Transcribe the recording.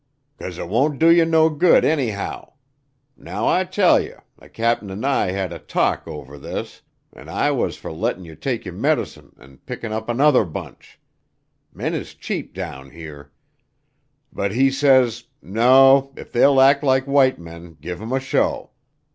"'Cause it won't do yer no good, anyhow. Now I tell yer the cap'n an' I had a talk over this an' I was fer lettin' yer take yer medicine an' pickin' up another bunch. Men is cheap down here. But he says, 'No; if they'll act like white men, give 'em a show.